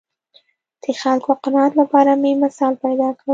د خلکو قناعت لپاره مې مثال پیدا کړ